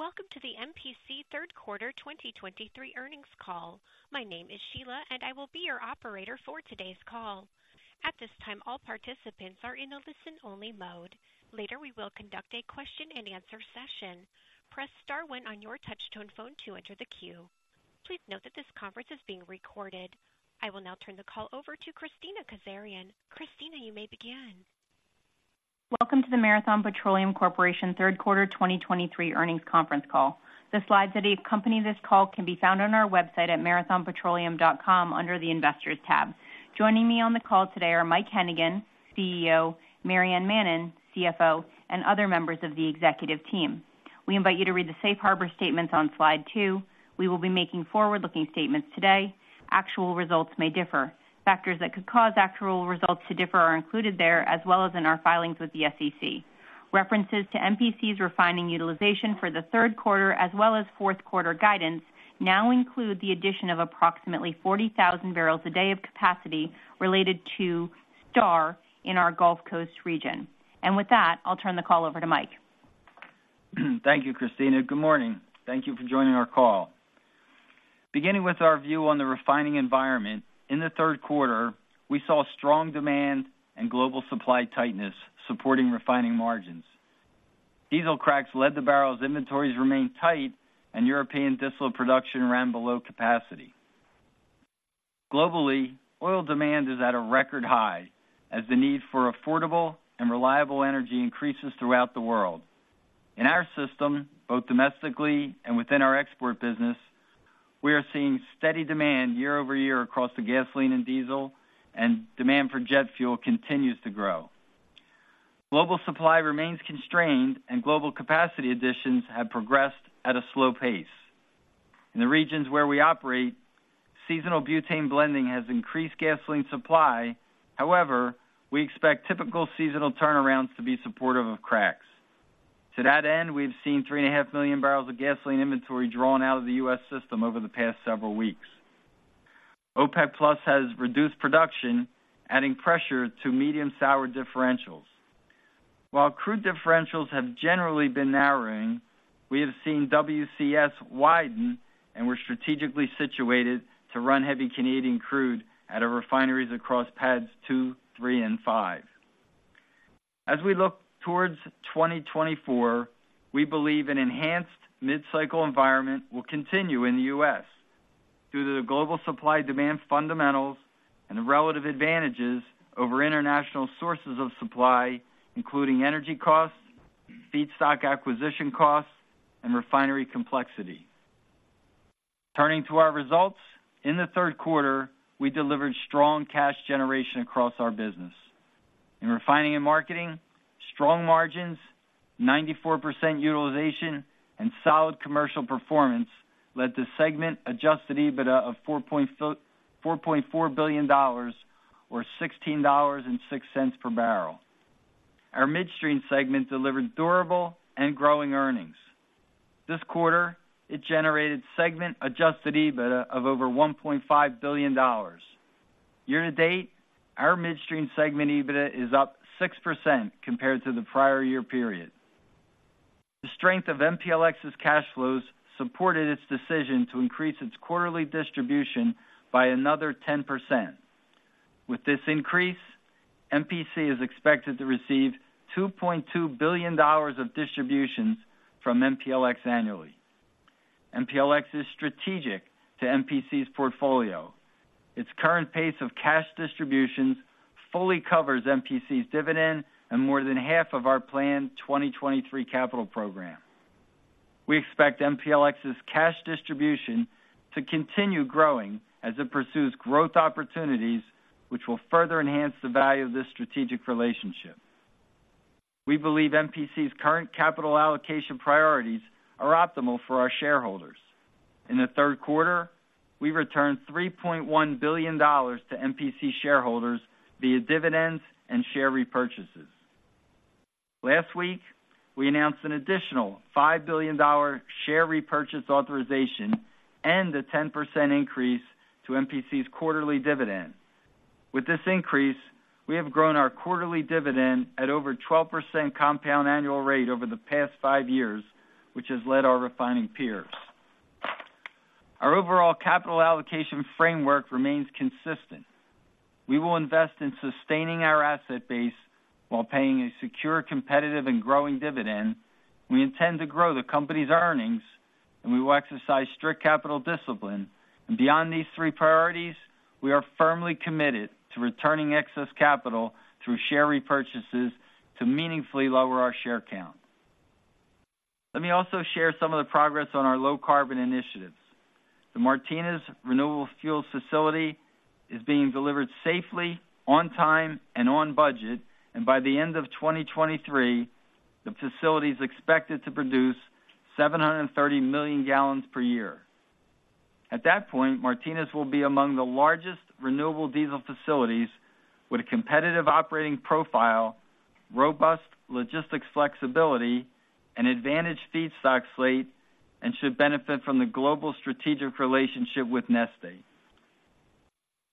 Welcome to the MPC third quarter 2023 earnings call. My name is Sheila, and I will be your operator for today's call. At this time, all participants are in a listen-only mode. Later, we will conduct a question-and-answer session. Press star one on your touchtone phone to enter the queue. Please note that this conference is being recorded. I will now turn the call over to Kristina Kazarian. Christina, you may begin. Welcome to the Marathon Petroleum Corporation third quarter 2023 earnings conference call. The slides that accompany this call can be found on our website at marathonpetroleum.com under the Investors tab. Joining me on the call today are Mike Hennigan, CEO, Maryann Mannen, CFO, and other members of the executive team. We invite you to read the safe harbor statements on Slide 2. We will be making forward-looking statements today. Actual results may differ. Factors that could cause actual results to differ are included there, as well as in our filings with the SEC. References to MPC's refining utilization for the third quarter, as well as fourth quarter guidance, now include the addition of approximately 40,000 barrels a day of capacity related to STAR in our Gulf Coast region. With that, I'll turn the call over to Mike. Thank you, Christina. Good morning. Thank you for joining our call. Beginning with our view on the refining environment, in the third quarter, we saw strong demand and global supply tightness supporting refining margins. Diesel cracks led to barrels inventories remain tight and European diesel production ran below capacity. Globally, oil demand is at a record high as the need for affordable and reliable energy increases throughout the world. In our system, both domestically and within our export business, we are seeing steady demand year-over-year across the gasoline and diesel, and demand for jet fuel continues to grow. Global supply remains constrained, and global capacity additions have progressed at a slow pace. In the regions where we operate, seasonal butane blending has increased gasoline supply. However, we expect typical seasonal turnarounds to be supportive of cracks. To that end, we've seen 3.5 million barrels of gasoline inventory drawn out of the US system over the past several weeks. OPEC+ has reduced production, adding pressure to medium sour differentials. While crude differentials have generally been narrowing, we have seen WCS widen, and we're strategically situated to run heavy Canadian crude at our refineries across PADDs 2, 3, and 5. As we look towards 2024, we believe an enhanced mid-cycle environment will continue in the US due to the global supply-demand fundamentals and the relative advantages over international sources of supply, including energy costs, feedstock acquisition costs, and refinery complexity. Turning to our results, in the third quarter, we delivered strong cash generation across our business. In refining and marketing, strong margins, 94% utilization, and solid commercial performance led to segment adjusted EBITDA of four-point fil... $4.4 billion or $16.06 per barrel. Our midstream segment delivered durable and growing earnings. This quarter, it generated segment-adjusted EBITDA of over $1.5 billion. Year-to-date, our midstream segment EBITDA is up 6% compared to the prior year period. The strength of MPLX's cash flows supported its decision to increase its quarterly distribution by another 10%. With this increase, MPC is expected to receive $2.2 billion of distributions from MPLX annually. MPLX is strategic to MPC's portfolio. Its current pace of cash distributions fully covers MPC's dividend and more than half of our planned 2023 capital program. We expect MPLX's cash distribution to continue growing as it pursues growth opportunities, which will further enhance the value of this strategic relationship. We believe MPC's current capital allocation priorities are optimal for our shareholders. In the third quarter, we returned $3.1 billion to MPC shareholders via dividends and share repurchases. Last week, we announced an additional $5 billion share repurchase authorization and a 10% increase to MPC's quarterly dividend. With this increase, we have grown our quarterly dividend at over 12% compound annual rate over the past five years, which has led our refining peers. Our overall capital allocation framework remains consistent. We will invest in sustaining our asset base while paying a secure, competitive, and growing dividend. We intend to grow the company's earnings, and we will exercise strict capital discipline. Beyond these three priorities, we are firmly committed to returning excess capital through share repurchases to meaningfully lower our share count. Let me also share some of the progress on our low-carbon initiatives. The Martinez Renewable Fuels facility is being delivered safely, on time, and on budget, and by the end of 2023, the facility is expected to produce 730 million gallons per year. At that point, Martinez will be among the largest renewable diesel facilities with a competitive operating profile, robust logistics flexibility, and advantaged feedstock slate, and should benefit from the global strategic relationship with Neste.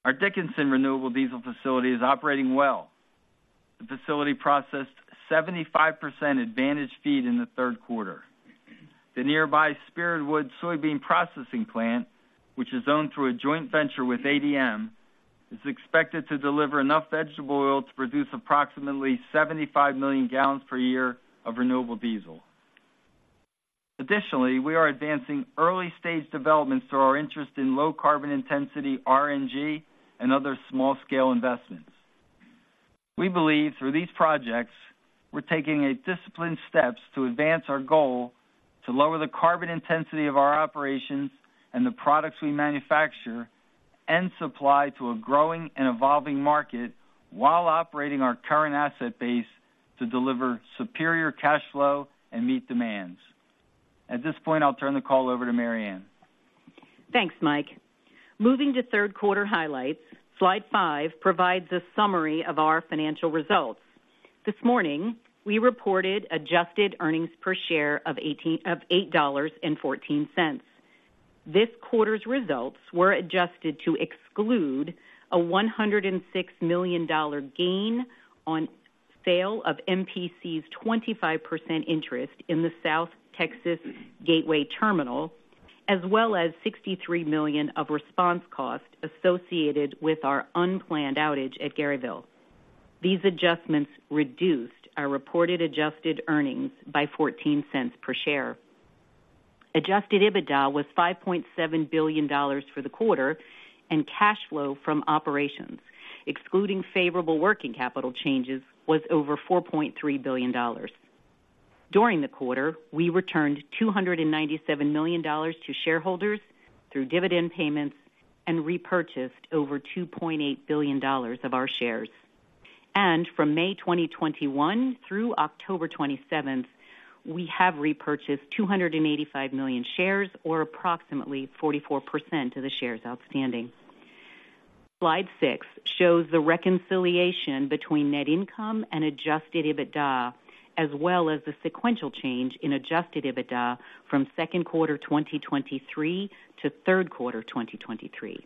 Our Dickinson renewable diesel facility is operating well. The facility processed 75% advantaged feed in the third quarter. The nearby Spiritwood soybean processing plant, which is owned through a joint venture with ADM, is expected to deliver enough vegetable oil to produce approximately 75 million gallons per year of renewable diesel. Additionally, we are advancing early-stage developments through our interest in low-carbon intensity RNG and other small-scale investments. We believe through these projects, we're taking a disciplined steps to advance our goal to lower the carbon intensity of our operations and the products we manufacture and supply to a growing and evolving market while operating our current asset base to deliver superior cash flow and meet demands. At this point, I'll turn the call over to Maryann. Thanks, Mike. Moving to third quarter highlights. Slide five provides a summary of our financial results. This morning, we reported adjusted earnings per share of $8.14. This quarter's results were adjusted to exclude a $106 million gain on sale of MPC's 25% interest in the South Texas Gateway Terminal, as well as $63 million of response costs associated with our unplanned outage at Garyville. These adjustments reduced our reported adjusted earnings by 14 cents per share. Adjusted EBITDA was $5.7 billion for the quarter, and cash flow from operations, excluding favorable working capital changes, was over $4.3 billion. During the quarter, we returned $297 million to shareholders through dividend payments and repurchased over $2.8 billion of our shares. From May 2021 through October 2027, we have repurchased 285 million shares or approximately 44% of the shares outstanding. Slide six shows the reconciliation between net income and adjusted EBITDA, as well as the sequential change in adjusted EBITDA from second quarter 2023 to third quarter 2023.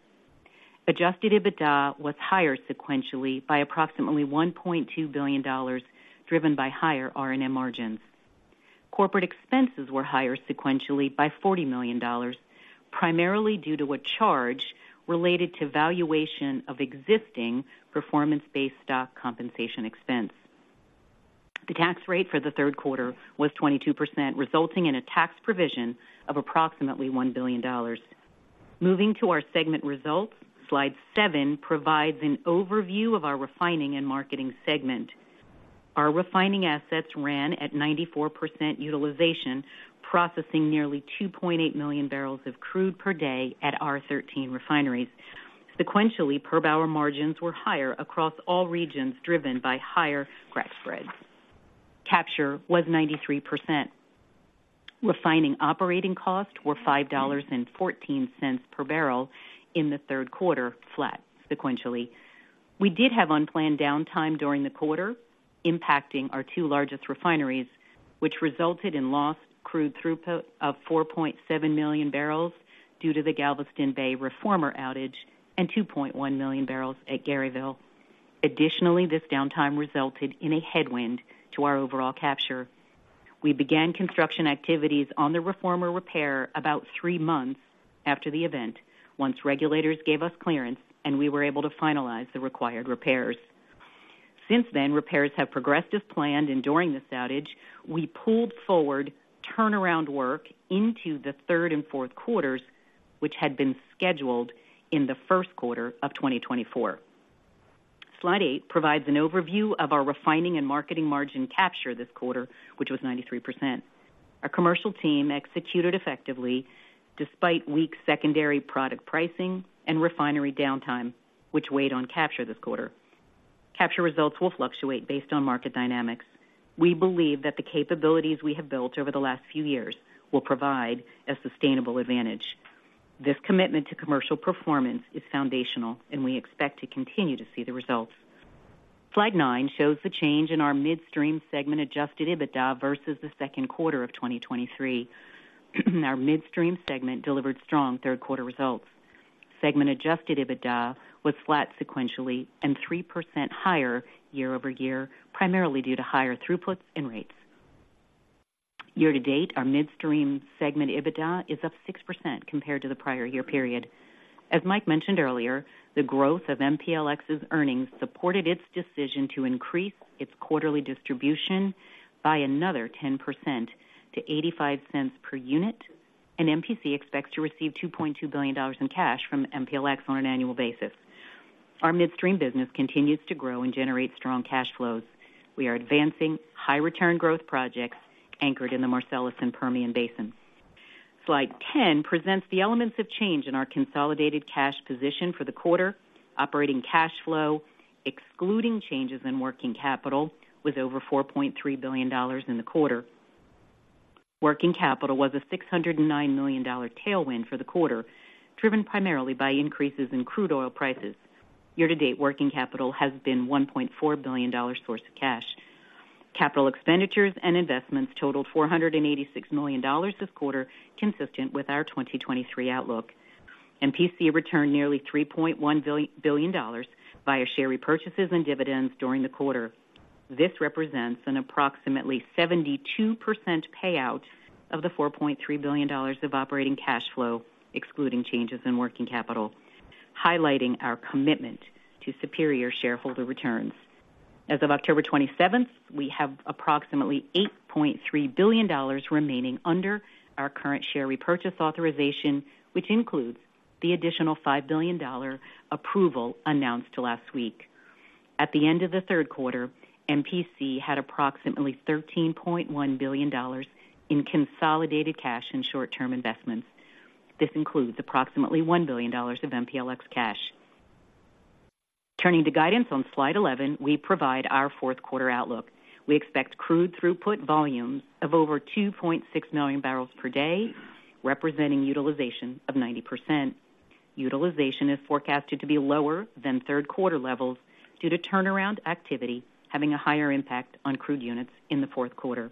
Adjusted EBITDA was higher sequentially by approximately $1.2 billion, driven by higher R&M margins. Corporate expenses were higher sequentially by $40 million, primarily due to a charge related to valuation of existing performance-based stock compensation expense. The tax rate for the third quarter was 22%, resulting in a tax provision of approximately $1 billion. Moving to our segment results, slide seven provides an overview of our refining and marketing segment. Our refining assets ran at 94% utilization, processing nearly 2.8 million barrels of crude per day at our 13 refineries. Sequentially, per barrel margins were higher across all regions, driven by higher crack spreads. Capture was 93%. Refining operating costs were $5.14 per barrel in the third quarter, flat sequentially. We did have unplanned downtime during the quarter, impacting our two largest refineries, which resulted in lost crude throughput of 4.7 million barrels due to the Galveston Bay reformer outage and 2.1 million barrels at Garyville. Additionally, this downtime resulted in a headwind to our overall capture. We began construction activities on the reformer repair about three months after the event, once regulators gave us clearance and we were able to finalize the required repairs. Since then, repairs have progressed as planned, and during this outage, we pulled forward turnaround work into the third and fourth quarters, which had been scheduled in the first quarter of 2024. Slide eight provides an overview of our refining and marketing margin capture this quarter, which was 93%. Our commercial team executed effectively despite weak secondary product pricing and refinery downtime, which weighed on capture this quarter. Capture results will fluctuate based on market dynamics. We believe that the capabilities we have built over the last few years will provide a sustainable advantage. This commitment to commercial performance is foundational, and we expect to continue to see the results. Slide nine shows the change in our midstream segment adjusted EBITDA versus the second quarter of 2023. Our midstream segment delivered strong third quarter results. Segment adjusted EBITDA was flat sequentially and 3% higher year-over-year, primarily due to higher throughputs and rates. Year to date, our midstream segment EBITDA is up 6% compared to the prior year period. As Mike mentioned earlier, the growth of MPLX's earnings supported its decision to increase its quarterly distribution by another 10% to $0.85 per unit, and MPC expects to receive $2.2 billion in cash from MPLX on an annual basis. Our midstream business continues to grow and generate strong cash flows. We are advancing high return growth projects anchored in the Marcellus and Permian Basins. Slide 10 presents the elements of change in our consolidated cash position for the quarter. Operating cash flow, excluding changes in working capital, was over $4.3 billion in the quarter. Working capital was a $609 million tailwind for the quarter, driven primarily by increases in crude oil prices. Year to date, working capital has been $1.4 billion source of cash. Capital expenditures and investments totaled $486 million this quarter, consistent with our 2023 outlook. MPC returned nearly $3.1 billion via share repurchases and dividends during the quarter. This represents an approximately 72% payout of the $4.3 billion of operating cash flow, excluding changes in working capital, highlighting our commitment to superior shareholder returns. As of 27 October 2023, we have approximately $8.3 billion remaining under our current share repurchase authorization, which includes the additional $5 billion approval announced last week. At the end of the third quarter, MPC had approximately $13.1 billion in consolidated cash and short-term investments. This includes approximately $1 billion of MPLX cash. Turning to guidance on slide 11, we provide our fourth quarter outlook. We expect crude throughput volumes of over 2.6 million barrels per day, representing utilization of 90%. Utilization is forecasted to be lower than third quarter levels due to turnaround activity having a higher impact on crude units in the fourth quarter.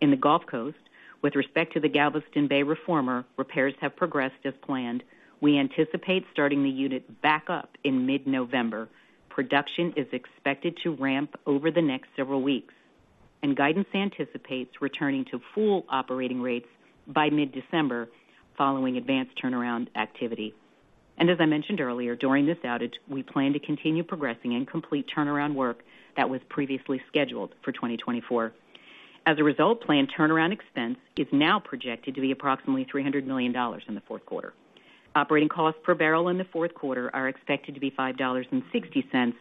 In the Gulf Coast, with respect to the Galveston Bay reformer, repairs have progressed as planned. We anticipate starting the unit back up in mid-November. Production is expected to ramp over the next several weeks, and guidance anticipates returning to full operating rates by mid-December, following advanced turnaround activity. As I mentioned earlier, during this outage, we plan to continue progressing and complete turnaround work that was previously scheduled for 2024. As a result, planned turnaround expense is now projected to be approximately $300 million in the fourth quarter. Operating costs per barrel in the fourth quarter are expected to be $5.60,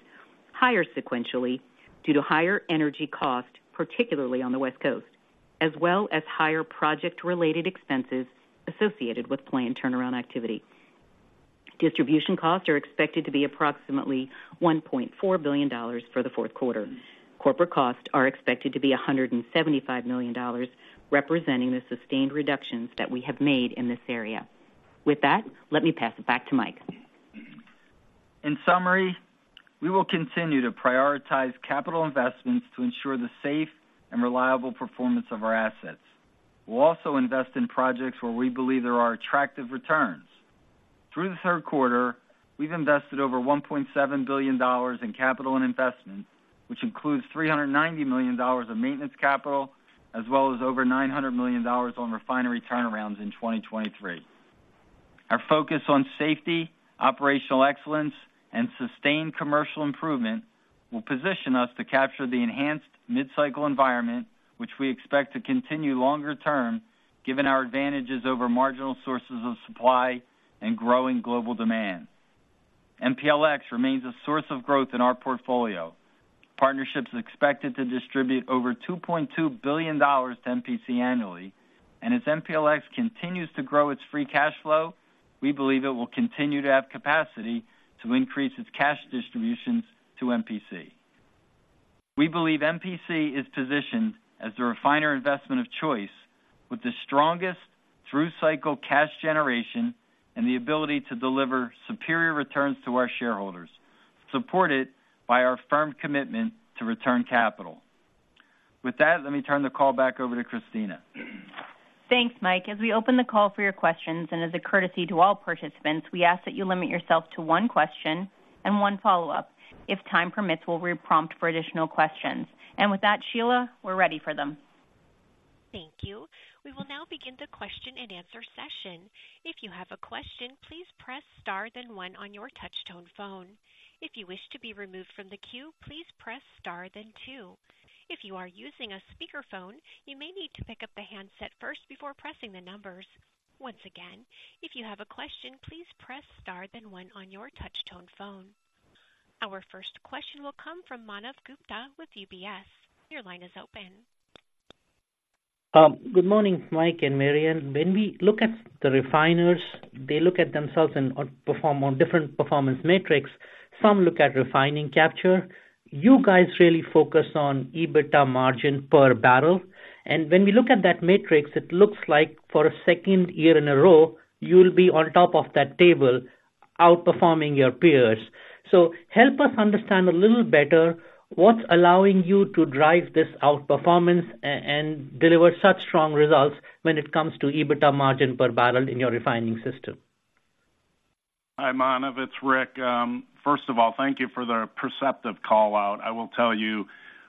higher sequentially, due to higher energy cost, particularly on the West Coast, as well as higher project-related expenses associated with planned turnaround activity. Distribution costs are expected to be approximately $1.4 billion for the fourth quarter. Corporate costs are expected to be $175 million, representing the sustained reductions that we have made in this area. With that, let me pass it back to Mike. In summary, we will continue to prioritize capital investments to ensure the safe and reliable performance of our assets. We'll also invest in projects where we believe there are attractive returns. Through the third quarter, we've invested over $1.7 billion in capital and investment, which includes $390 million of maintenance capital, as well as over $900 million on refinery turnarounds in 2023. Our focus on safety, operational excellence, and sustained commercial improvement will position us to capture the enhanced mid-cycle environment, which we expect to continue longer term, given our advantages over marginal sources of supply and growing global demand. MPLX remains a source of growth in our portfolio. Partnerships is expected to distribute over $2.2 billion to MPC annually, and as MPLX continues to grow its free cash flow, we believe it will continue to have capacity to increase its cash distributions to MPC. We believe MPC is positioned as the refiner investment of choice with the strongest through-cycle cash generation and the ability to deliver superior returns to our shareholders, supported by our firm commitment to return capital. With that, let me turn the call back over to Christina. Thanks, Mike. As we open the call for your questions, and as a courtesy to all participants, we ask that you limit yourself to one question and one follow-up. If time permits, we'll re-prompt for additional questions. With that, Sheila, we're ready for them. Thank you. We will now begin the question-and-answer session. If you have a question, please press Star, then one on your touch tone phone. If you wish to be removed from the queue, please press Star, then two. If you are using a speakerphone, you may need to pick up the handset first before pressing the numbers. Once again, if you have a question, please press Star, then one on your touch tone phone. Our first question will come from Manav Gupta with UBS. Your line is open. Good morning, Mike and Maryann. When we look at the refiners, they look at themselves and perform on different performance metrics. Some look at refining capture. You guys really focus on EBITDA margin per barrel. And when we look at that metric, it looks like for a second year in a row, you'll be on top of that table, outperforming your peers. So help us understand a little better, what's allowing you to drive this outperformance and deliver such strong results when it comes to EBITDA margin per barrel in your refining system? Hi, Manav, it's Rick. First of all, thank you for the perceptive call-out. I will tell you,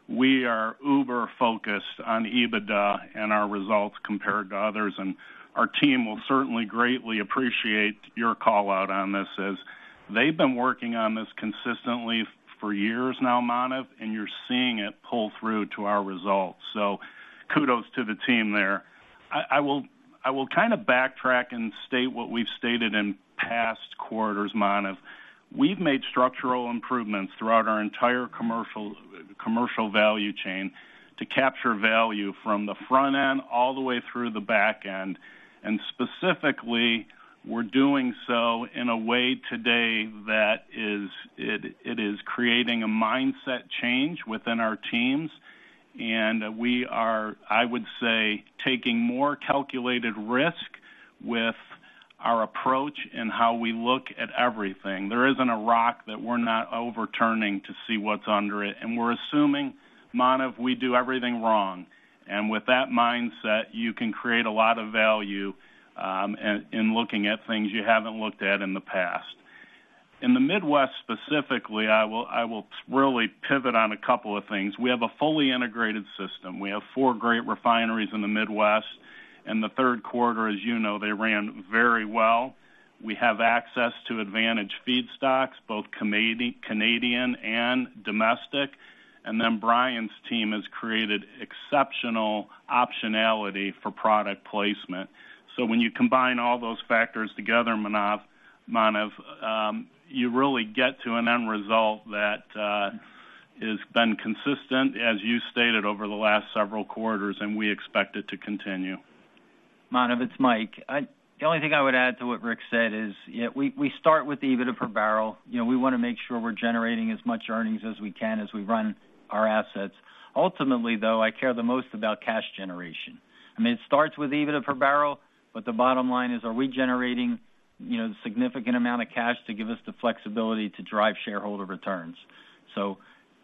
we are uber focused on EBITDA and our results compared to others, and our team will certainly greatly appreciate your call-out on this, as they've been working on this consistently for years now, Manav, and you're seeing it pull through to our results. So kudos to the team there. I will kind of backtrack and state what we've stated in past quarters, Manav. We've made structural improvements throughout our entire commercial value chain to capture value from the front end all the way through the back end. And specifically, we're doing so in a way today that is creating a mindset change within our teams, and we are, I would say, taking more calculated risk with our approach and how we look at everything. There isn't a rock that we're not overturning to see what's under it, and we're assuming, Manav, we do everything wrong. And with that mindset, you can create a lot of value in looking at things you haven't looked at in the past. In the Midwest, specifically, I will really pivot on a couple of things. We have a fully integrated system. We have four great refineries in the Midwest, and the third quarter, as you know, they ran very well. We have access to advantage feedstocks, both Canadian and domestic. And then Brian's team has created exceptional optionality for product placement. So when you combine all those factors together, Manav, Manav, you really get to an end result that has been consistent, as you stated, over the last several quarters, and we expect it to continue. Manav, it's Mike. The only thing I would add to what Rick said is, yeah, we, we start with the EBITDA per barrel. You know, we wanna make sure we're generating as much earnings as we can as we run our assets. Ultimately, though, I care the most about cash generation. I mean, it starts with EBITDA per barrel, but the bottom line is, are we generating, you know, a significant amount of cash to give us the flexibility to drive shareholder returns? So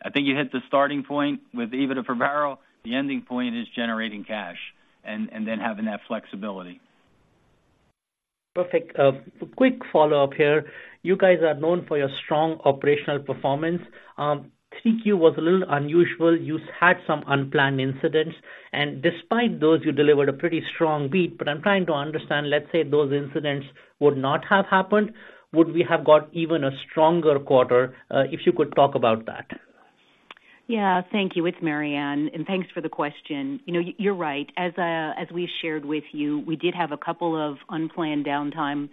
I think you hit the starting point with EBITDA per barrel. The ending point is generating cash and, and then having that flexibility. Perfect. A quick follow-up here. You guys are known for your strong operational performance. third quarter was a little unusual. You had some unplanned incidents, and despite those, you delivered a pretty strong beat. But I'm trying to understand, let's say, those incidents would not have happened, would we have got even a stronger quarter? If you could talk about that. Yeah, thank you. It's Maryann, and thanks for the question. You know, you're right. As, as we shared with you, we did have a couple of unplanned downtime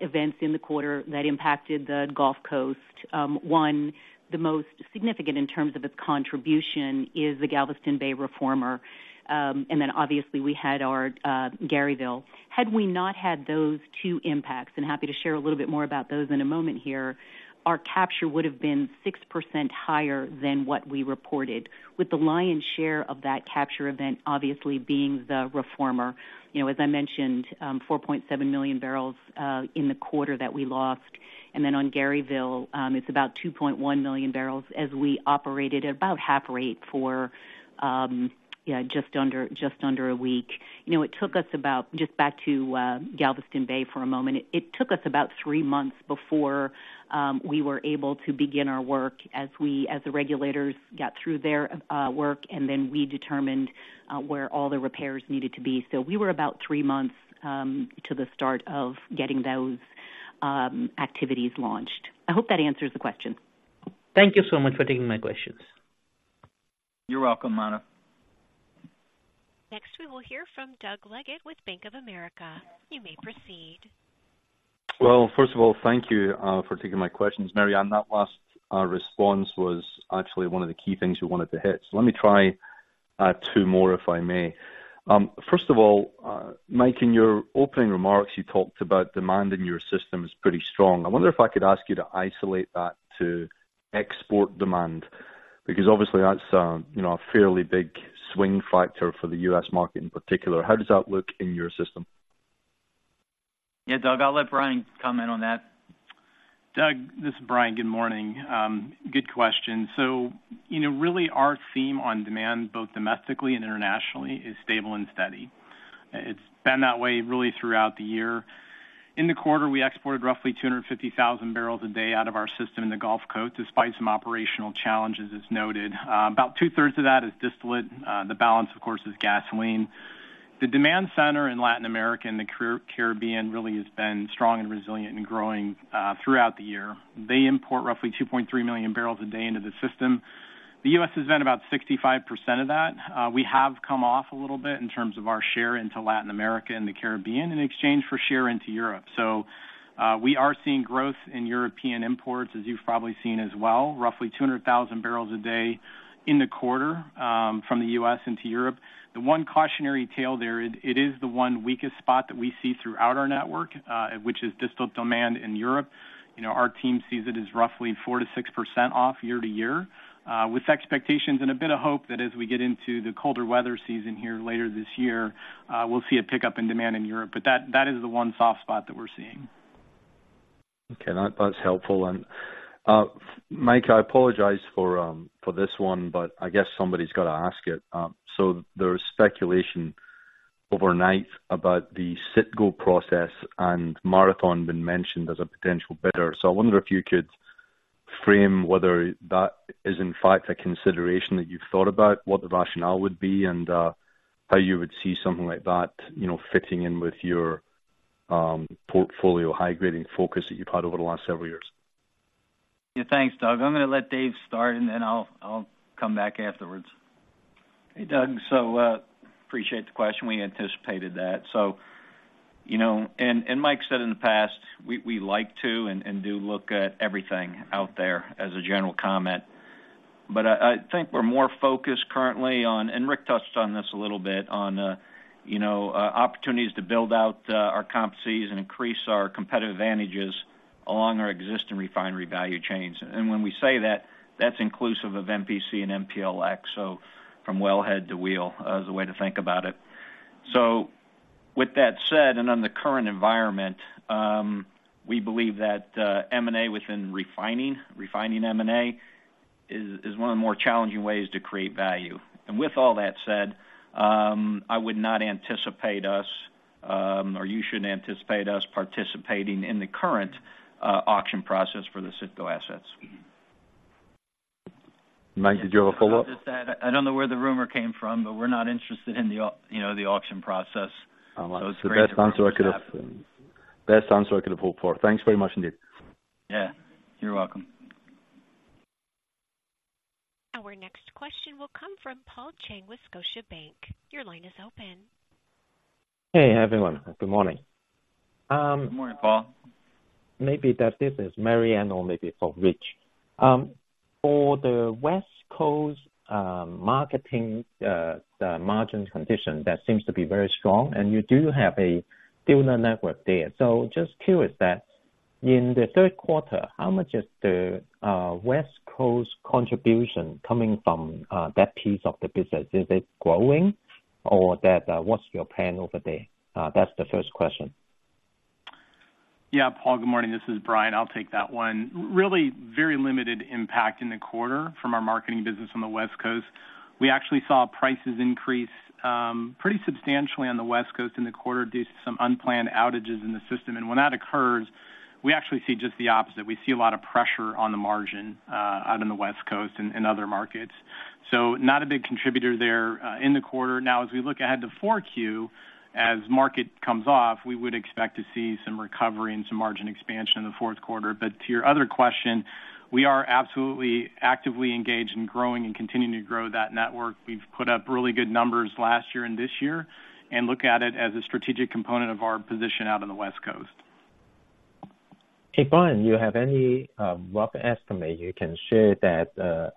events in the quarter that impacted the Gulf Coast. One, the most significant in terms of its contribution is the Galveston Bay reformer. And then obviously, we had our Garyville. Had we not had those two impacts, and happy to share a little bit more about those in a moment here, our capture would have been 6% higher than what we reported, with the lion's share of that capture event obviously being the reformer. You know, as I mentioned, 4.7 million barrels in the quarter that we lost, and then on Garyville, it's about 2.1 million barrels as we operated at about half rate for just under a week. You know, it took us about—Just back to Galveston Bay for a moment. It took us about three months before we were able to begin our work as the regulators got through their work, and then we determined where all the repairs needed to be. So we were about three months to the start of getting those activities launched. I hope that answers the question. Thank you so much for taking my questions. You're welcome, Manav. Next, we will hear from Doug Leggate with Bank of America. You may proceed. Well, first of all, thank you for taking my questions. Maryann, that last response was actually one of the key things we wanted to hit. So let me try two more, if I may. First of all, Mike, in your opening remarks, you talked about demand in your system is pretty strong. I wonder if I could ask you to isolate that to export demand, because obviously that's a, you know, a fairly big swing factor for the US market in particular. How does that look in your system? Yeah, Doug, I'll let Brian comment on that. Doug, this is Brian. Good morning. Good question. So, you know, really our theme on demand, both domestically and internationally, is stable and steady. It's been that way really throughout the year. In the quarter, we exported roughly 250,000 barrels a day out of our system in the Gulf Coast, despite some operational challenges, as noted. About two-thirds of that is distillate. The balance, of course, is gasoline. The demand center in Latin America and the Caribbean really has been strong and resilient and growing throughout the year. They import roughly 2.3 million barrels a day into the system. The US has been about 65% of that. We have come off a little bit in terms of our share into Latin America and the Caribbean in exchange for share into Europe. So, we are seeing growth in European imports, as you've probably seen as well, roughly 200,000 barrels a day in the quarter, from the US into Europe. The one cautionary tale there, it is the one weakest spot that we see throughout our network, which is distillate demand in Europe. You know, our team sees it as roughly 4% to 6% off year-over-year, with expectations and a bit of hope that as we get into the colder weather season here later this year, we'll see a pickup in demand in Europe. But that is the one soft spot that we're seeing. Okay, that, that's helpful. And, Mike, I apologize for this one, but I guess somebody's got to ask it. So, there is speculation overnight about the CITGO process and Marathon been mentioned as a potential bidder. So, I wonder if you could frame whether that is, in fact, a consideration that you've thought about, what the rationale would be, and how you would see something like that, you know, fitting in with your portfolio high-grading focus that you've had over the last several years. Yeah, thanks, Doug. I'm gonna let Dave start, and then I'll, I'll come back afterwards. Hey, Doug. So, appreciate the question. We anticipated that. So, you know, and Mike said in the past, we like to and do look at everything out there as a general comment. But I think we're more focused currently on, and Rick touched on this a little bit, on, you know, opportunities to build out our competencies and increase our competitive advantages along our existing refinery value chains. And when we say that that's inclusive of MPC and MPLX, so from wellhead to wheel is the way to think about it. So, with that said, and on the current environment, we believe that M&A within refining, refining M&A, is one of the more challenging ways to create value. And with all that said, I would not anticipate us, or you shouldn't anticipate us participating in the current auction process for the CITGO assets. Mike, did you have a follow-up? I'll just add, I don't know where the rumor came from, but we're not interested in the auction process. All right. So best answer I could have hoped for. Thanks very much indeed. Yeah, you're welcome. Our next question will come from Paul Cheng with Scotiabank. Your line is open. Hey, everyone. Good morning. Good morning, Paul. Maybe that this is Maryann or maybe for Rick. For the West Coast, marketing, the margin condition, that seems to be very strong, and you do have a dealer network there. So just curious that in the third quarter, how much is the West Coast contribution coming from that piece of the business? Is it growing, what's your plan over there? That's the first question. Yeah, Paul, good morning. This is Brian. I'll take that one. Really very limited impact in the quarter from our marketing business on the West Coast. We actually saw prices increase pretty substantially on the West Coast in the quarter due to some unplanned outages in the system. And when that occurs, we actually see just the opposite. We see a lot of pressure on the margin out on the West Coast and other markets. So not a big contributor there in the quarter. Now, as we look ahead to fourth quarter, as market comes off, we would expect to see some recovery and some margin expansion in the fourth quarter. But to your other question, we are absolutely actively engaged in growing and continuing to grow that network. We've put up really good numbers last year and this year, and look at it as a strategic component of our position out on the West Coast. Hey, Brian, do you have any rough estimate you can share that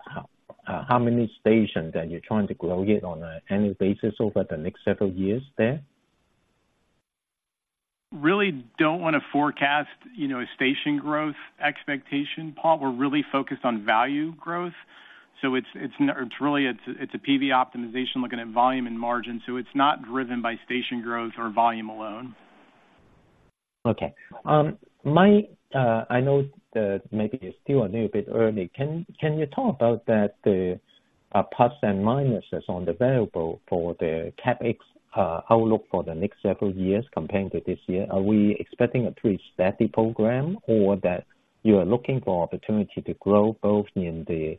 how many stations that you're trying to grow it on an annual basis over the next several years there? Really don't want to forecast, you know, a station growth expectation, Paul. We're really focused on value growth, so it's, it's, it's really, it's a PV optimization, looking at volume and margin, so it's not driven by station growth or volume alone. Okay. I know that maybe it's still a little bit early. Can you talk about that, the plus and minuses on the variable for the CapEx outlook for the next several years compared to this year? Are we expecting a pretty steady program or that you are looking for opportunity to grow both in the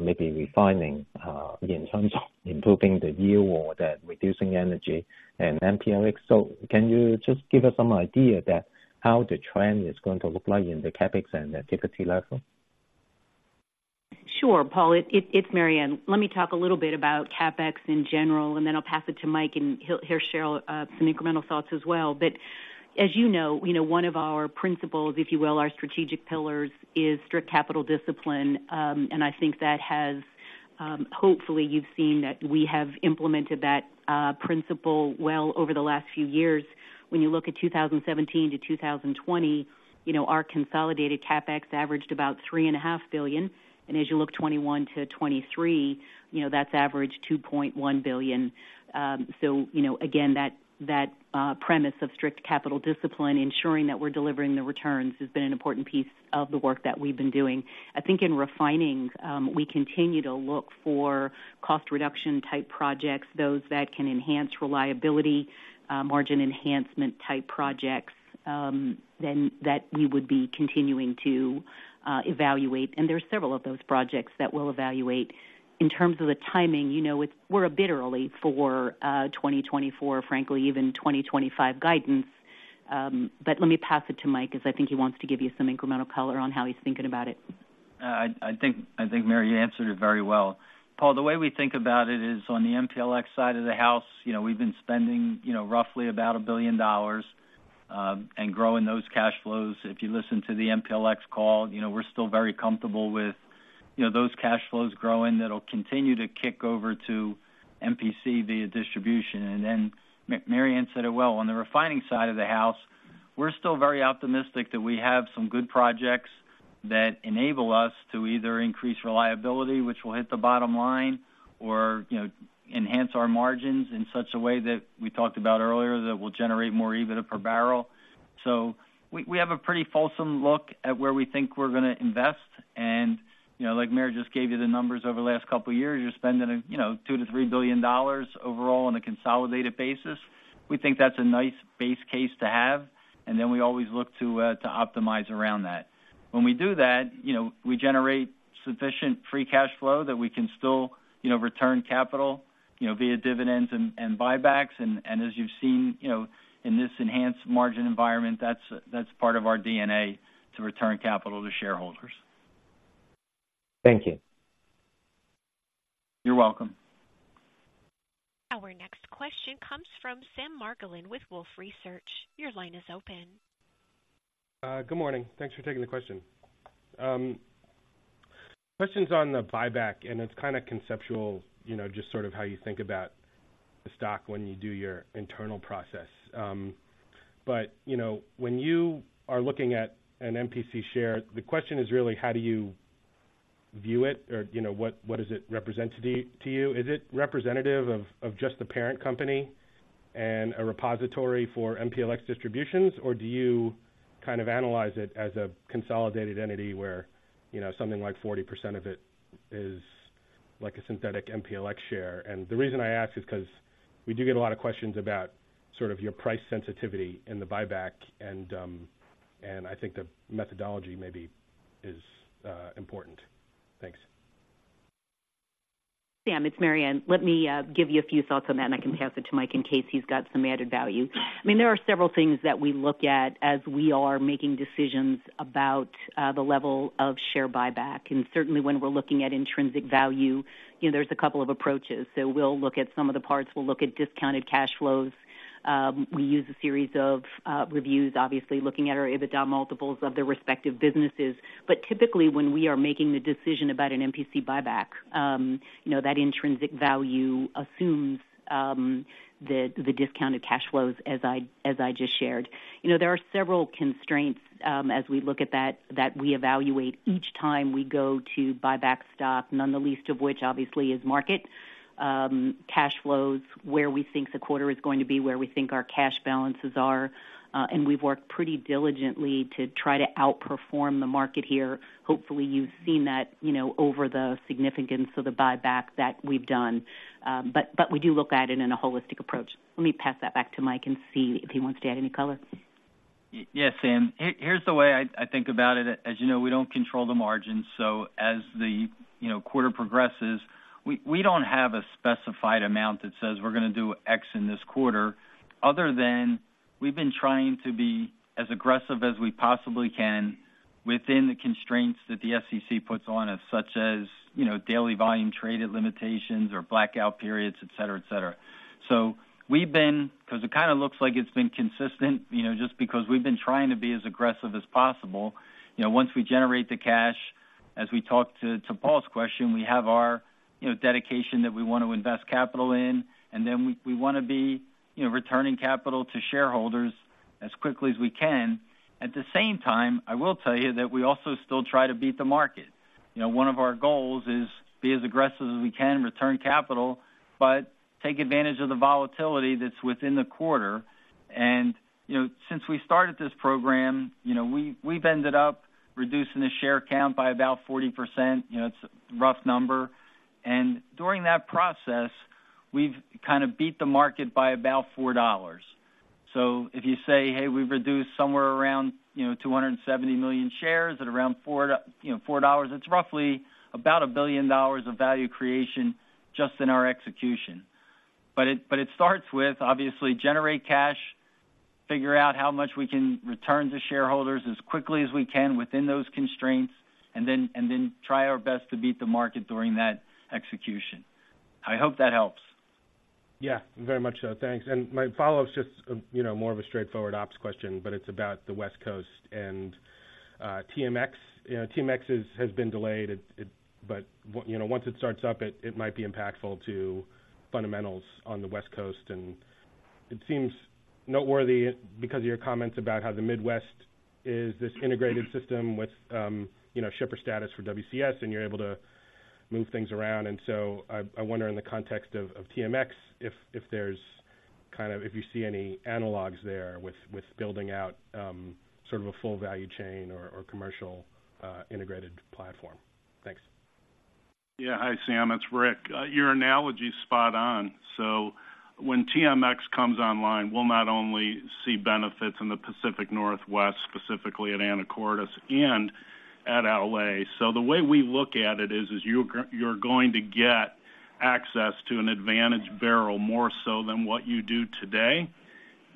maybe refining in terms of improving the yield or the reducing energy and MPLX? So can you just give us some idea that how the trend is going to look like in the CapEx and the activity level? Sure, Paul, it, it's Maryann. Let me talk a little bit about CapEx in general, and then I'll pass it to Mike, and he'll share some incremental thoughts as well. But as you know, you know, one of our principles, if you will, our strategic pillars, is strict capital discipline. And I think that has, hopefully, you've seen that we have implemented that principle well over the last few years. When you look at 2017 to 2020, you know, our consolidated CapEx averaged about $3.5 billion, and as you look 2021 to 2023, you know, that's averaged $2.1 billion. So, you know, again, that premise of strict capital discipline, ensuring that we're delivering the returns, has been an important piece of the work that we've been doing. I think in refining, we continue to look for cost reduction-type projects, those that can enhance reliability, margin enhancement-type projects, then that we would be continuing to evaluate, and there are several of those projects that we'll evaluate. In terms of the timing, you know, we're a bit early for 2024, frankly, even 2025 guidance. But let me pass it to Mike, as I think he wants to give you some incremental color on how he's thinking about it. I think, Maryann, you answered it very well. Paul, the way we think about it is on the MPLX side of the house, you know, we've been spending, you know, roughly about $1 billion, and growing those cash flows. If you listen to the MPLX call, you know, we're still very comfortable with, you know, those cash flows growing. That'll continue to kick over to MPC via distribution. And then Maryann said it well, on the refining side of the house, we're still very optimistic that we have some good projects that enable us to either increase reliability, which will hit the bottom line, or, you know, enhance our margins in such a way that we talked about earlier, that will generate more EBITDA per barrel. So we have a pretty fulsome look at where we think we're gonna invest. You know, like Mary just gave you the numbers over the last couple of years, you're spending $2 to 3 billion overall on a consolidated basis. We think that's a nice base case to have, and then we always look to to optimize around that. When we do that, you know, we generate sufficient free cash flow that we can still, you know, return capital, you know, via dividends and, and buybacks. And as you've seen, you know, in this enhanced margin environment, that's part of our DNA, to return capital to shareholders. Thank you. You're welcome. Our next question comes from Sam Margolin with Wolfe Research. Your line is open. Good morning. Thanks for taking the question. Question's on the buyback, and it's kind of conceptual, you know, just sort of how you think about the stock when you do your internal process. But, you know, when you are looking at an MPC share, the question is really how do you view it? Or, you know, what does it represent to you? Is it representative of just the parent company and a repository for MPLX distributions? Or do you kind of analyze it as a consolidated entity where, you know, something like 40% of it is like a synthetic MPLX share? And the reason I ask is because we do get a lot of questions about sort of your price sensitivity in the buyback, and, and I think the methodology maybe is important. Thanks. Sam, it's Maryann. Let me give you a few thoughts on that, and I can pass it to Mike in case he's got some added value. I mean, there are several things that we look at as we are making decisions about the level of share buyback. And certainly, when we're looking at intrinsic value, you know, there's a couple of approaches. So, we'll look at some of the parts, we'll look at discounted cash flows. We use a series of reviews, obviously, looking at our EBITDA multiples of their respective businesses. But typically, when we are making the decision about an MPC buyback, you know, that intrinsic value assumes the discounted cash flows as I just shared. You know, there are several constraints, as we look at that, that we evaluate each time we go to buy back stock, none the least of which, obviously, is market, cash flows, where we think the quarter is going to be, where we think our cash balances are, and we've worked pretty diligently to try to outperform the market here. Hopefully, you've seen that, you know, over the significance of the buyback that we've done. But we do look at it in a holistic approach. Let me pass that back to Mike and see if he wants to add any color. Yes, Sam. Here's the way I think about it. As you know, we don't control the margins, so as the, you know, quarter progresses, we don't have a specified amount that says we're gonna do X in this quarter, other than we've been trying to be as aggressive as we possibly can within the constraints that the SEC puts on us, such as, you know, daily volume traded limitations or blackout periods, et cetera, et cetera. So we've been, because it kind of looks like it's been consistent, you know, just because we've been trying to be as aggressive as possible. You know, once we generate the cash, as we talked to Paul's question, we have our, you know, dedication that we want to invest capital in, and then we wanna be, you know, returning capital to shareholders as quickly as we can. At the same time, I will tell you that we also still try to beat the market. You know, one of our goals is be as aggressive as we can, return capital, but take advantage of the volatility that's within the quarter. And, you know, since we started this program, you know, we've ended up reducing the share count by about 40%. You know, it's a rough number, and during that process, we've kind of beat the market by about $4. So, if you say, "Hey, we've reduced somewhere around, you know, 270 million shares at around four dollars," it's roughly about $1 billion of value creation just in our execution. But it starts with obviously generate cash, figure out how much we can return to shareholders as quickly as we can within those constraints, and then try our best to beat the market during that execution. I hope that helps. Yeah, very much so. Thanks. And my follow-up is just, you know, more of a straightforward ops question, but it's about the West Coast and, TMX. You know, TMX has been delayed, it. But, you know, once it starts up, it might be impactful to fundamentals on the West Coast. And it seems noteworthy because of your comments about how the Midwest is this integrated system with, you know, shipper status for WCS, and you're able to move things around. And so, I wonder, in the context of TMX, if there's kind of, if you see any analogs there with, with building out, sort of a full value chain or, or commercial, integrated platform. Thanks. Yeah. Hi, Sam, it's Rick. Your analogy is spot on. So when TMX comes online, we'll not only see benefits in the Pacific Northwest, specifically at Anacortes and at LA. So the way we look at it is you're going to get access to an advantage barrel, more so than what you do today,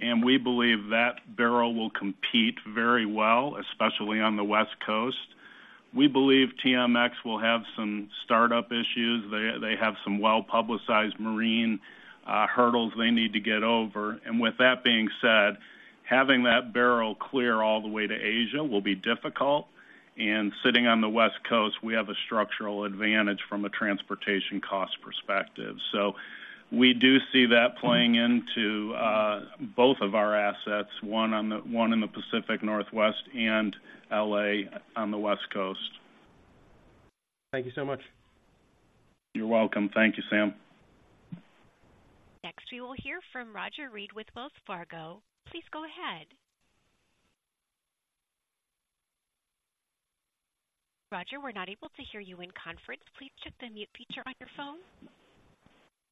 and we believe that barrel will compete very well, especially on the West Coast. We believe TMX will have some start-up issues. They have some well-publicized marine hurdles they need to get over. And with that being said, having that barrel clear all the way to Asia will be difficult, and sitting on the West Coast, we have a structural advantage from a transportation cost perspective. So we do see that playing into both of our assets, one in the Pacific Northwest and L.A. on the West Coast. Thank you so much. You're welcome. Thank you, Sam. Next, we will hear from Roger Read with Wells Fargo. Please go ahead. Roger, we're not able to hear you in conference. Please check the mute feature on your phone.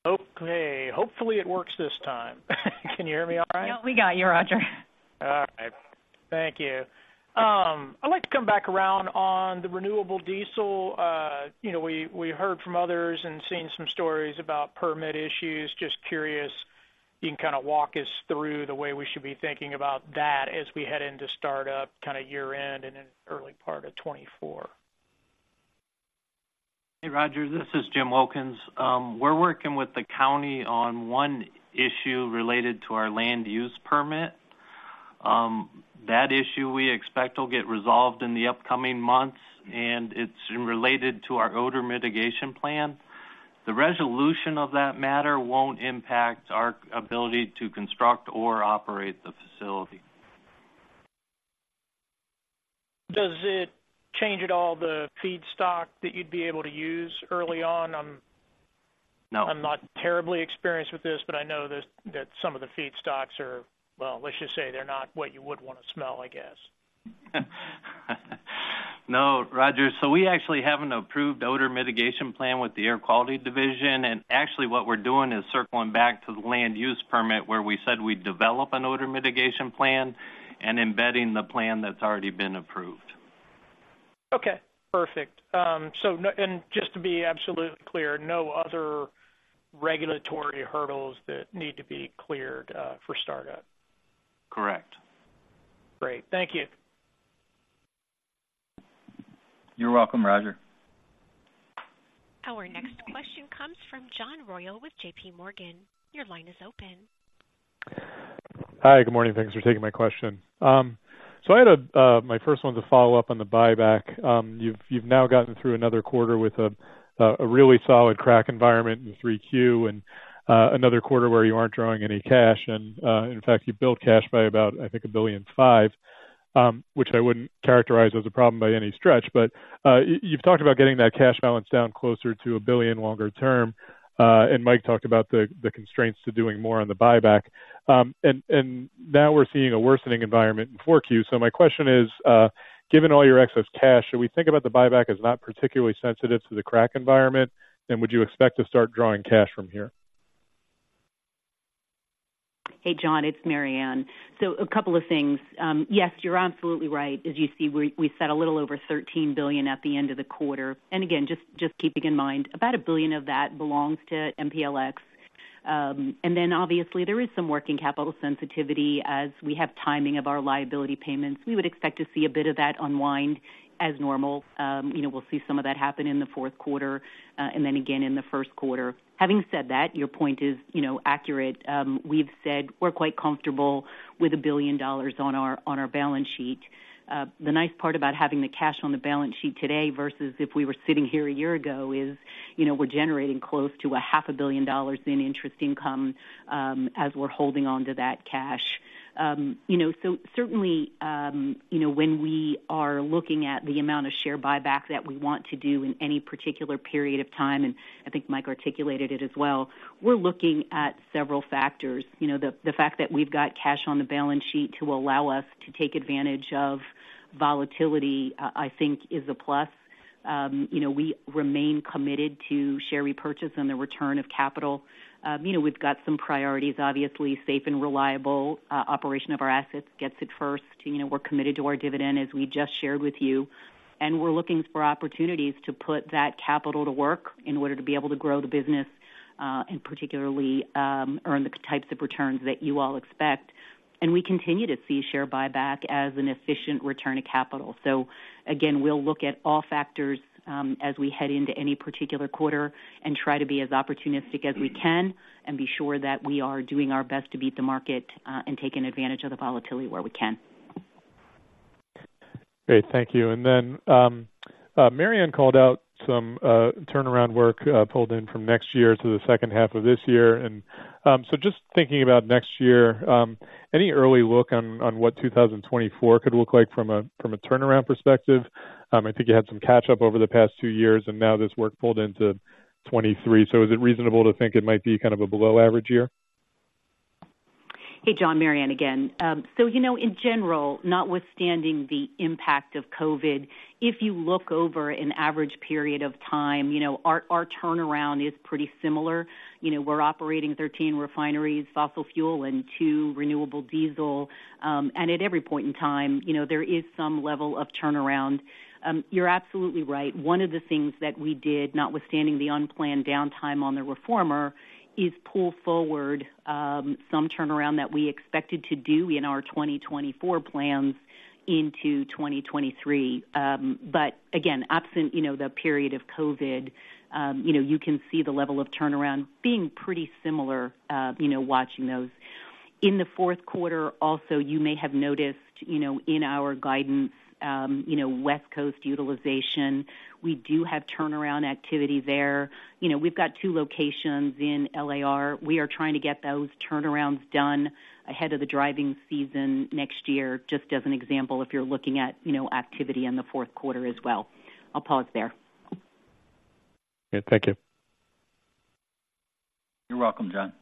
Okay, hopefully it works this time. Can you hear me all right? Yeah, we got you, Roger. All right. Thank you. I'd like to come back around on the renewable diesel. You know, we heard from others and seen some stories about permit issues. Just curious, you can kind of walk us through the way we should be thinking about that as we head into startup, kind of year-end and in early part of 2024. Hey, Roger, this is Jim Wilkins. We're working with the county on one issue related to our land use permit that issue we expect will get resolved in the upcoming months, and it's related to our odor mitigation plan. The resolution of that matter won't impact our ability to construct or operate the facility. Does it change at all the feedstock that you'd be able to use early on? No. I'm not terribly experienced with this, but I know that, that some of the feedstocks are, well, let's just say they're not what you would want to smell, I guess. No, Roger. So, we actually have an approved odor mitigation plan with the Air Quality Division, and actually what we're doing is circling back to the land use permit, where we said we'd develop an odor mitigation plan and embedding the plan that's already been approved. Okay, perfect. So, no, and just to be absolutely clear, no other regulatory hurdles that need to be cleared for startup? Correct. Great. Thank you. You're welcome, Roger. Our next question comes from John Royal with JPMorgan. Your line is open. Hi, good morning. Thanks for taking my question. So I had a my first one to follow up on the buyback. You've, you've now gotten through another quarter with a a really solid crack environment in third quarter, and another quarter where you aren't drawing any cash. And in fact, you built cash by about, I think, $1.5 billion, which I wouldn't characterize as a problem by any stretch. But you've talked about getting that cash balance down closer to $1 billion longer term, and Mike talked about the constraints to doing more on the buyback. And now we're seeing a worsening environment in fourth quarter. So, my question is, given all your excess cash, should we think about the buyback as not particularly sensitive to the crack environment? Would you expect to start drawing cash from here? Hey, John, it's Maryann. So a couple of things. Yes, you're absolutely right. As you see, we set a little over $13 billion at the end of the quarter. And again, just keeping in mind, about $1 billion of that belongs to MPLX. And then obviously there is some working capital sensitivity as we have timing of our liability payments. We would expect to see a bit of that unwind as normal. You know, we'll see some of that happen in the fourth quarter, and then again in the first quarter. Having said that, your point is, you know, accurate. We've said we're quite comfortable with $1 billion on our balance sheet. The nice part about having the cash on the balance sheet today versus if we were sitting here a year ago is, you know, we're generating close to $500 million in interest income as we're holding on to that cash. You know, so certainly, you know, when we are looking at the amount of share buyback that we want to do in any particular period of time, and I think Mike articulated it as well, we're looking at several factors. You know, the, the fact that we've got cash on the balance sheet to allow us to take advantage of volatility, I think is a plus. You know, we remain committed to share repurchase and the return of capital. You know, we've got some priorities. Obviously, safe and reliable operation of our assets gets it first. You know, we're committed to our dividend, as we just shared with you, and we're looking for opportunities to put that capital to work in order to be able to grow the business, and particularly, earn the types of returns that you all expect. We continue to see share buyback as an efficient return of capital. Again, we'll look at all factors, as we head into any particular quarter and try to be as opportunistic as we can, and be sure that we are doing our best to beat the market and taking advantage of the volatility where we can. Great. Thank you. And then, Maryann called out some turnaround work pulled in from next year to the second half of this year. And so just thinking about next year, any early look on what 2024 could look like from a turnaround perspective? I think you had some catch up over the past two years, and now there's work pulled into 2023. So, is it reasonable to think it might be kind of a below average year? Hey, John, Maryann again. So you know, in general, notwithstanding the impact of COVID, if you look over an average period of time, you know, our, our turnaround is pretty similar. You know, we're operating 13 refineries, fossil fuel, and two renewable diesel. And at every point in time, you know, there is some level of turnaround. You're absolutely right. One of the things that we did, notwithstanding the unplanned downtime on the reformer, is pull forward some turnaround that we expected to do in our 2024 plans into 2023. But again, absent, you know, the period of COVID, you know, you can see the level of turnaround being pretty similar, you know, watching those. In the fourth quarter also, you may have noticed, you know, in our guidance, you know, West Coast utilization, we do have turnaround activity there. You know, we've got two locations in LAR. We are trying to get those turnarounds done ahead of the driving season next year. Just as an example, if you're looking at, you know, activity in the fourth quarter as well. I'll pause there. Yeah, thank you. You're welcome, John.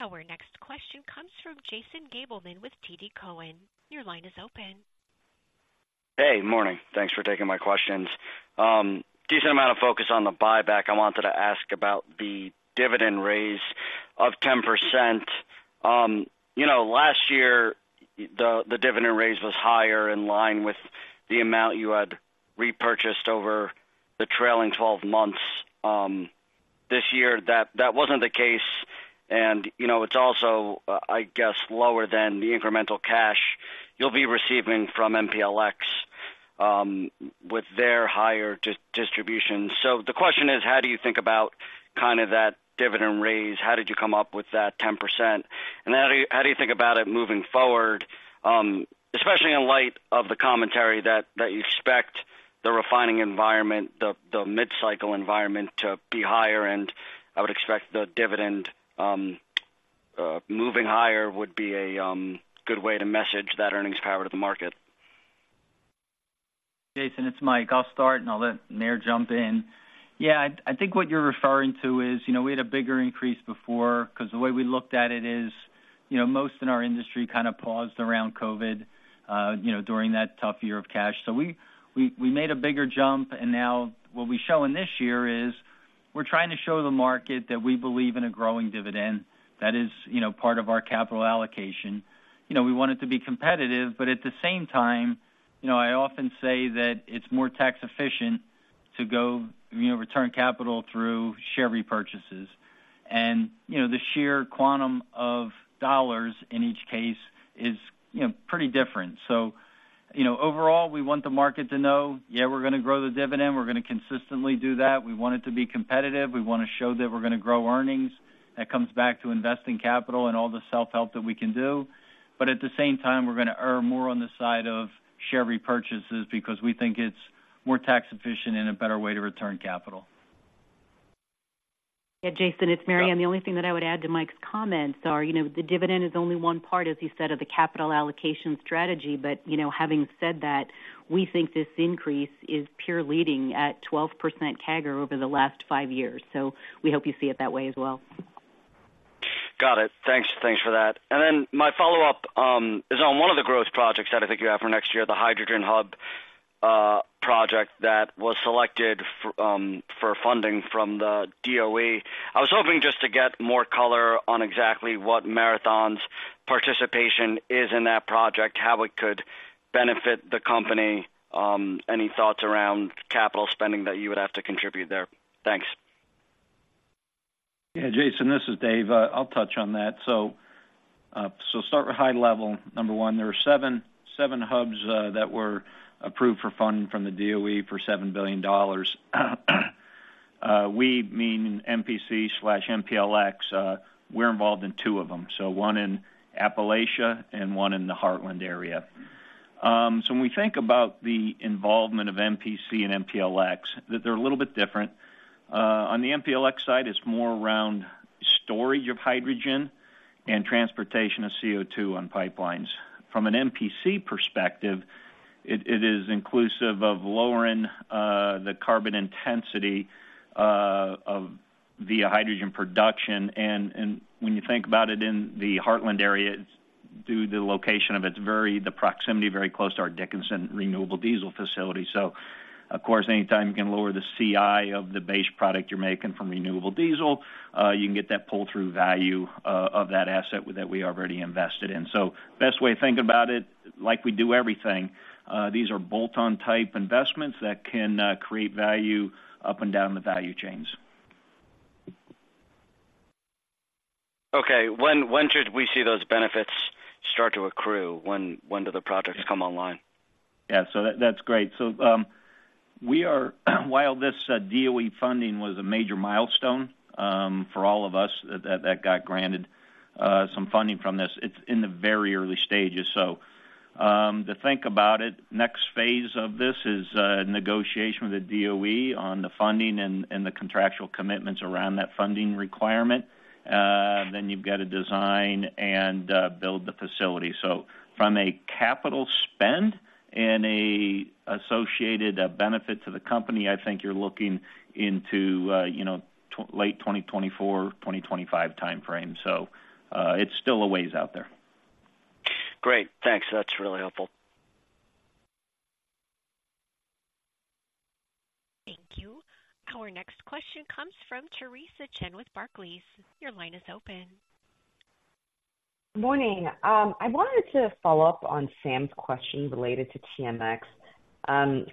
Our next question comes from Jason Gabelman with TD Cowen. Your line is open. Hey, morning. Thanks for taking my questions. Decent amount of focus on the buyback. I wanted to ask about the dividend raise of 10%. You know, last year, the dividend raise was higher in line with the amount you had repurchased over the trailing twelve months. This year, that wasn't the case, and, you know, it's also, I guess, lower than the incremental cash you'll be receiving from MPLX with their higher distribution. So the question is, how do you think about kind of that dividend raise? How did you come up with that 10%? How do you think about it moving forward, especially in light of the commentary that you expect the refining environment, the mid-cycle environment to be higher, and I would expect the dividend moving higher would be a good way to message that earnings power to the market? Jason, it's Mike. I'll start, and I'll let Mary jump in. Yeah, I, I think what you're referring to is, you know, we had a bigger increase before, cause the way we looked at it is, you know, most in our industry kind of paused around COVID, you know, during that tough year of cash. So, we made a bigger jump, and now what we show in this year is, we're trying to show the market that we believe in a growing dividend that is, you know, part of our capital allocation. You know, we want it to be competitive, but at the same time, you know, I often say that it's more tax efficient to go, you know, return capital through share repurchases. And, you know, the sheer quantum of dollars in each case is, you know, pretty different. So, you know, overall, we want the market to know, yeah, we're gonna grow the dividend. We're gonna consistently do that. We want it to be competitive. We wanna show that we're gonna grow earnings. That comes back to investing capital and all the self-help that we can do. But at the same time, we're gonna err more on the side of share repurchases because we think it's more tax efficient and a better way to return capital. Yeah, Jason, it's Mary. And the only thing that I would add to Mike's comments are, you know, the dividend is only one part, as you said, of the capital allocation strategy. But, you know, having said that, we think this increase is purely leading at 12% CAGR over the last five years. So we hope you see it that way as well. Got it. Thanks. Thanks for that. And then my follow-up is on one of the growth projects that I think you have for next year, the Hydrogen Hub project that was selected for funding from the DOE. I was hoping just to get more color on exactly what Marathon's participation is in that project, how it could benefit the company, any thoughts around capital spending that you would have to contribute there? Thanks. Yeah, Jason, this is Dave. I'll touch on that. So, start with high level. Number one, there are seven hubs that were approved for funding from the DOE for $7 billion. We mean MPC/MPLX, we're involved in two of them, so one in Appalachia and one in the Heartland area. So when we think about the involvement of MPC and MPLX, they're a little bit different. On the MPLX side, it's more around storage of hydrogen and transportation of CO2 on pipelines. From an MPC perspective, it is inclusive of lowering the carbon intensity of via hydrogen production. And when you think about it, in the Heartland area, due to the location of it, it's very the proximity, very close to our Dickinson renewable diesel facility. So of course, anytime you can lower the CI of the base product you're making from renewable diesel, you can get that pull-through value of that asset that we already invested in. So best way to think about it, like we do everything, these are bolt-on type investments that can create value up and down the value chains. Okay. When, when should we see those benefits start to accrue? When, when do the projects come online? Yeah, so that's great. So, while this DOE funding was a major milestone for all of us that got granted some funding from this, it's in the very early stages. So, to think about it, next phase of this is negotiation with the DOE on the funding and the contractual commitments around that funding requirement. Then you've got to design and build the facility. So, from a capital spend and a associated benefit to the company, I think you're looking into, you know, late 2024, 2025 timeframe. So, it's still a ways out there. Great. Thanks. That's really helpful. Thank you. Our next question comes from Theresa Chen with Barclays. Your line is open. Morning. I wanted to follow up on Sam's question related to TMX,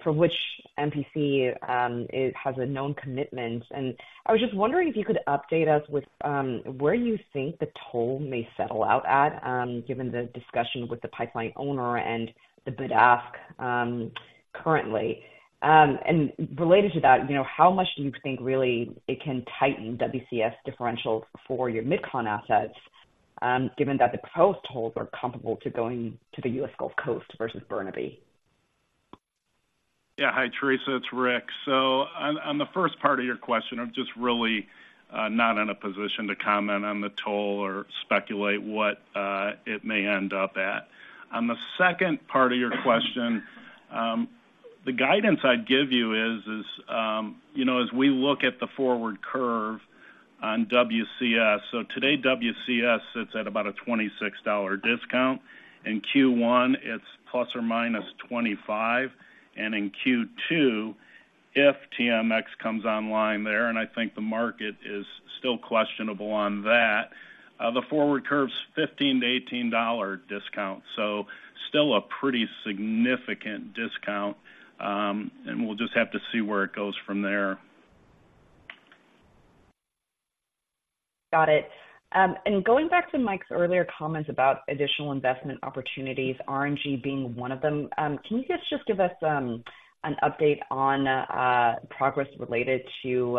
for which MPC it has a known commitment. I was just wondering if you could update us with where you think the toll may settle out at, given the discussion with the pipeline owner and the PDASF currently. Related to that, you know, how much do you think really it can tighten WCS differentials for your MidCon assets, given that the coast tolls are comparable to going to the US Gulf Coast versus Burnaby? Yeah. Hi, Theresa, it's Rick. So on the first part of your question, I'm just really not in a position to comment on the toll or speculate what it may end up at. On the second part of your question, the guidance I'd give you is you know, as we look at the forward curve on WCS, so today, WCS sits at about a $26 discount. In first quarter, it's ±25, and in second quarter, if TMX comes online there, and I think the market is still questionable on that, the forward curve's $15 to 18 discount. So still a pretty significant discount, and we'll just have to see where it goes from there. Got it. And going back to Mike's earlier comments about additional investment opportunities, RNG being one of them, can you guys just give us an update on progress related to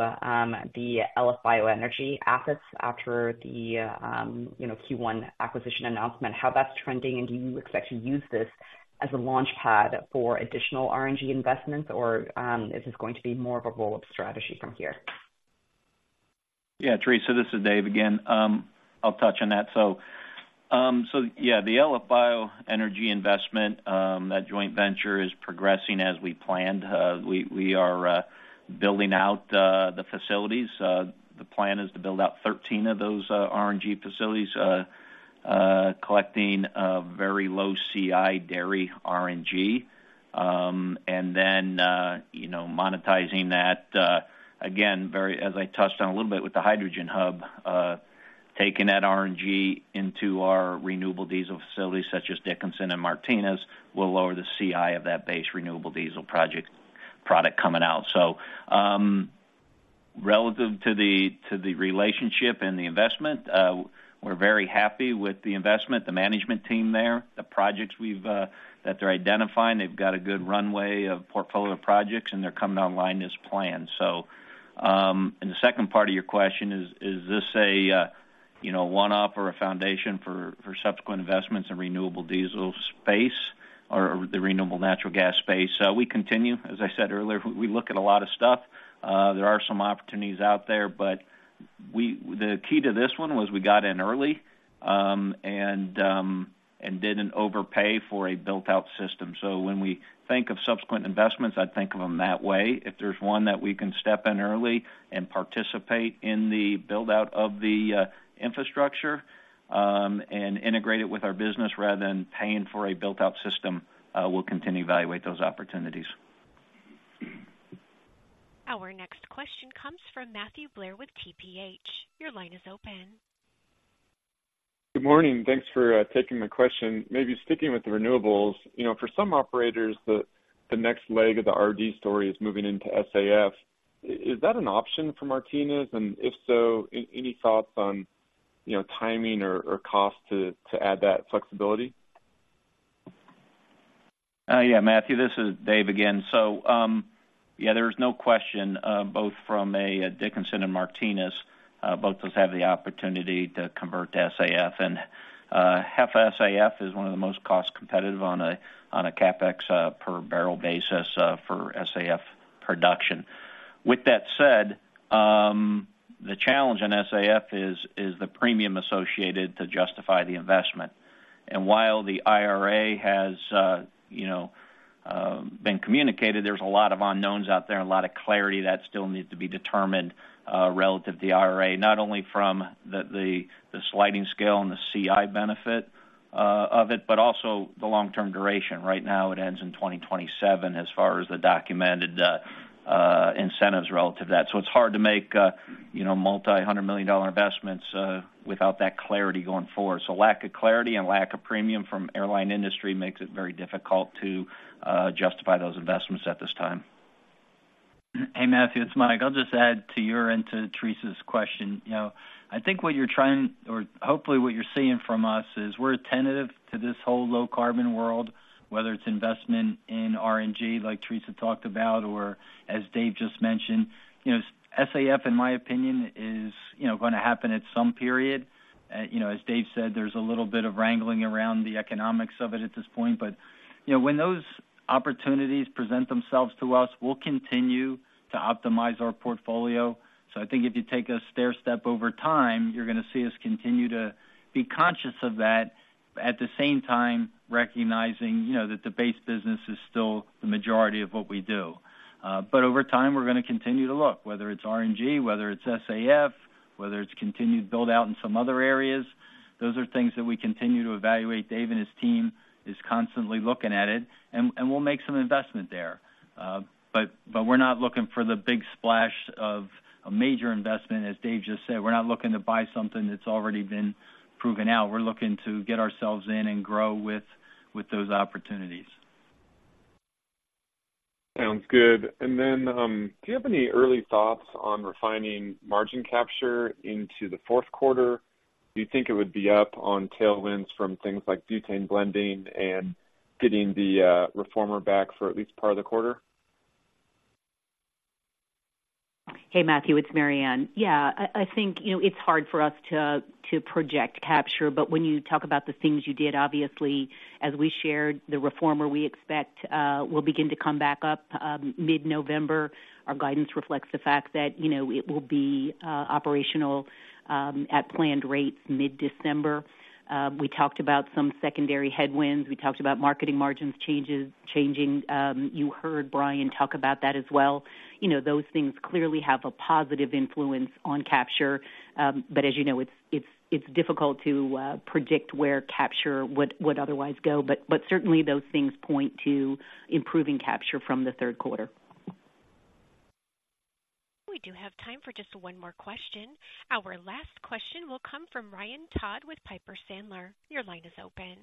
the LF Bioenergy assets after the, you know, first quarter acquisition announcement? How that's trending, and do you expect to use this as a launchpad for additional RNG investments, or is this going to be more of a roll-up strategy from here? Yeah, Theresa, this is Dave again. I'll touch on that. So, yeah, the LF Bioenergy investment, that joint venture is progressing as we planned. We are building out the facilities. The plan is to build out 13 of those RNG facilities, collecting a very low CI dairy RNG, and then, you know, monetizing that. Again, very-- as I touched on a little bit with the hydrogen hub, taking that RNG into our renewable diesel facilities, such as Dickinson and Martinez, will lower the CI of that base renewable diesel project- product coming out. So, relative to the relationship and the investment, we're very happy with the investment, the management team there, the projects we've that they're identifying. They've got a good runway of portfolio of projects, and they're coming online as planned. So, the second part of your question is, is this a, you know, one-off or a foundation for subsequent investments in renewable diesel space or the renewable natural gas space? We continue, as I said earlier, we look at a lot of stuff. There are some opportunities out there, but we—the key to this one was we got in early, and didn't overpay for a built-out system. So, when we think of subsequent investments, I'd think of them that way. If there's one that we can step in early and participate in the build-out of the infrastructure and integrate it with our business rather than paying for a built-out system, we'll continue to evaluate those opportunities. Our next question comes from Matthew Blair with TPH. Your line is open. Good morning. Thanks for taking my question. Maybe sticking with the renewables, you know, for some operators, the, the next leg of the RD story is moving into SAF. Is that an option for Martinez? And if so, any thoughts on, you know, timing or, or cost to, to add that flexibility? Yeah, Matthew, this is Dave again. So, yeah, there is no question, both from a Dickinson and Martinez, both those have the opportunity to convert to SAF, and, HEFA SAF is one of the most cost competitive on a, on a CapEx, per barrel basis, for SAF production. With that said, the challenge in SAF is the premium associated to justify the investment. And while the IRA has, you know, been communicated, there's a lot of unknowns out there and a lot of clarity that still needs to be determined, relative to the IRA, not only from the, the sliding scale and the CI benefit, of it, but also the long-term duration. Right now, it ends in 2027 as far as the documented, incentives relative to that. So it's hard to make, you know, $multi-hundred million investments without that clarity going forward. So lack of clarity and lack of premium from airline industry makes it very difficult to justify those investments at this time. Hey, Matthew, it's Mike. I'll just add to your and to Theresa's question. You know, I think what you're trying, or hopefully what you're seeing from us, is we're attentive to this whole low-carbon world, whether it's investment in RNG, like Theresa talked about, or as Dave just mentioned. You know, SAF, in my opinion, is, you know, going to happen at some period. You know, as Dave said, there's a little bit of wrangling around the economics of it at this point, but, you know, when those opportunities present themselves to us, we'll continue to optimize our portfolio. So I think if you take a stairstep over time, you're going to see us continue to be conscious of that, at the same time, recognizing, you know, that the base business is still the majority of what we do. But over time, we're going to continue to look, whether it's RNG, whether it's SAF, whether it's continued build-out in some other areas, those are things that we continue to evaluate. Dave and his team is constantly looking at it, and we'll make some investment there. But we're not looking for the big splash of a major investment. As Dave just said, we're not looking to buy something that's already been proven out. We're looking to get ourselves in and grow with those opportunities. Sounds good. Then, do you have any early thoughts on refining margin capture into the fourth quarter? Do you think it would be up on tailwinds from things like butane blending and getting the reformer back for at least part of the quarter? Hey, Matthew, it's Maryann. Yeah, I think, you know, it's hard for us to, to project capture, but when you talk about the things you did, obviously, as we shared, the reformer we expect will begin to come back up mid-November. Our guidance reflects the fact that, you know, it will be operational at planned rates mid-December. We talked about some secondary headwinds. We talked about marketing margins changes—changing. You heard Brian talk about that as well. You know, those things clearly have a positive influence on capture. But as you know, it's, it's, it's difficult to predict where capture would, would otherwise go, but, but certainly those things point to improving capture from the third quarter. We do have time for just one more question. Our last question will come from Ryan Todd with Piper Sandler. Your line is open.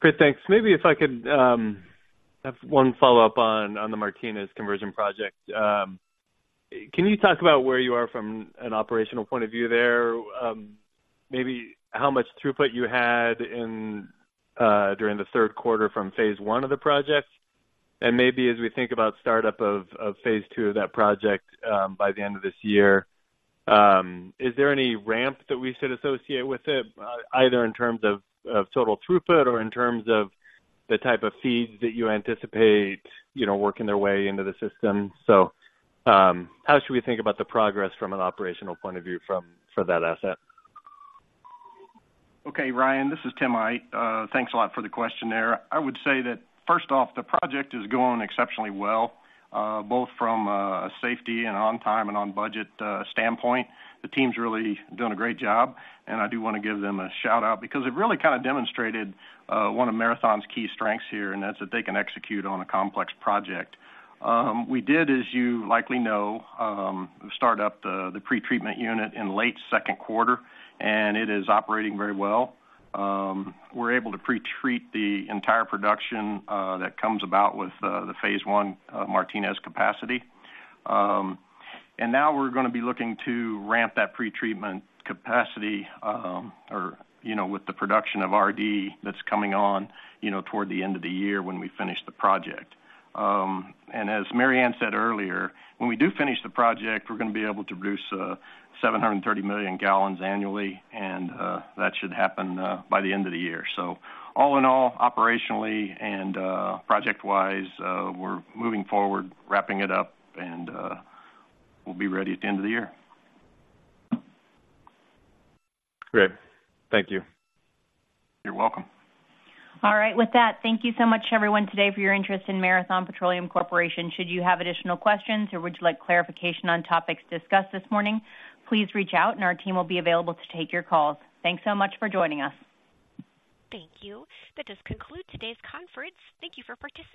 Great, thanks. Maybe if I could have one follow-up on the Martinez conversion project. Can you talk about where you are from an operational point of view there? Maybe how much throughput you had in during the third quarter from phase one of the project? And maybe as we think about startup of phase two of that project by the end of this year, is there any ramp that we should associate with it either in terms of total throughput or in terms of the type of feeds that you anticipate, you know, working their way into the system? So, how should we think about the progress from an operational point of view for that asset? Okay, Ryan, this is Tim Aydt. Thanks a lot for the question there. I would say that, first off, the project is going exceptionally well, both from a safety and on time and on budget, standpoint. The team's really doing a great job, and I do wanna give them a shout-out because it really kind of demonstrated, one of Marathon's key strengths here, and that's that they can execute on a complex project. We did, as you likely know, start up the pretreatment unit in late second quarter, and it is operating very well. We're able to pretreat the entire production that comes about with the phase one Martinez capacity. Now we're gonna be looking to ramp that pretreatment capacity, or, you know, with the production of RD that's coming on, you know, toward the end of the year when we finish the project. And as Maryann said earlier, when we do finish the project, we're gonna be able to produce 730 million gallons annually, and that should happen by the end of the year. So, all in all, operationally and project-wise, we're moving forward, wrapping it up, and we'll be ready at the end of the year. Great. Thank you. You're welcome. All right. With that, thank you so much, everyone, today for your interest in Marathon Petroleum Corporation. Should you have additional questions or would you like clarification on topics discussed this morning, please reach out and our team will be available to take your calls. Thanks so much for joining us. Thank you. That does conclude today's conference. Thank you for participating.